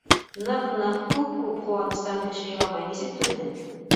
Ныҡ-ныҡ, күп-күп ҡыуаныстан кеше иламай нисек түҙһен?!